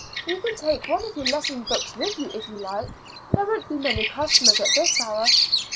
You can take one of your lesson books with you if you like. There won't be many customers at this hour."